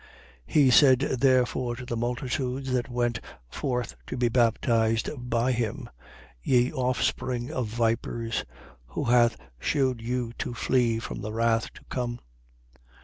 3:7. He said therefore to the multitudes that went forth to be baptized by him: Ye offspring of vipers, who hath shewed you to flee from the wrath to come?